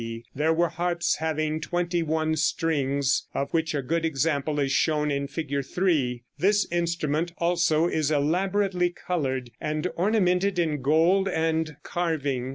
there were harps having twenty one strings, of which a good example is shown in Fig. 3. This instrument, also, is elaborately colored and ornamented in gold and carving.